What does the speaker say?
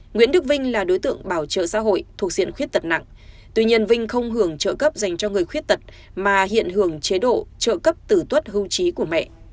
nguyễn đức vinh là đối tượng bảo trợ xã hội thuộc diện khuyết tật nặng tuy nhiên vinh không hưởng trợ cấp dành cho người khuyết tật mà hiện hưởng chế độ trợ cấp tử tuất hưu trí của mẹ